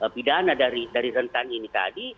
pidana dari rentan ini tadi